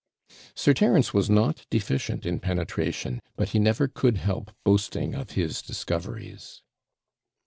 Sir Terence was not deficient in penetration, but he never could help boasting of his discoveries.